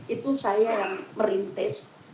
itu saya yang merintis